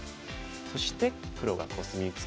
そして黒がコスミツケて。